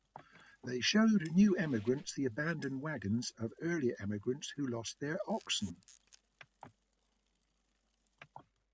They showed new emigrants the abandoned wagons of earlier emigrants who lost their oxen.